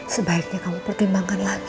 sebaiknya kamu pertimbangkan lagi